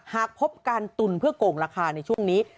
หากพบการตุนเพื่อโกงราคาในช่วงนี้